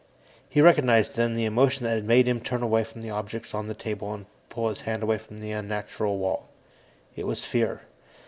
He recognized, then, the emotion that had made him turn away from the objects on the table and pull his hand away from the unnatural wall. It was fear.